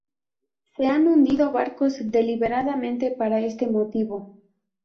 Se han hundido barcos deliberadamente para este motivo.